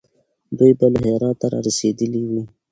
دوی به له هراته را رسېدلي وي.